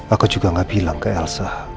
aku juga gak bilang ke elsa